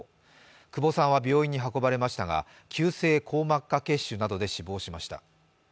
久保さんは病院に運ばれましたが急性硬膜下血腫などで死亡しました。